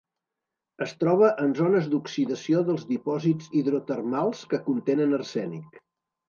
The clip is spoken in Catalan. Es troba en zones d'oxidació dels dipòsits hidrotermals que contenen arsènic.